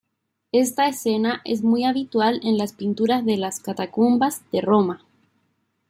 Esta escena es muy habitual en las pinturas de las catacumbas de Roma.